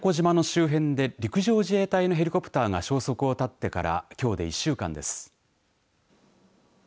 宮古島の周辺で陸上自衛隊のヘリコプターが消息を絶ってからきょうで１週間です。